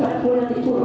bahwa saya tidak akan